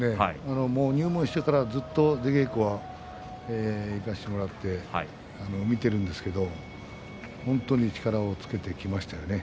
入門してから、ずっと出稽古は行かせてもらって見ているんですけれど本当に力をつけてきましたね。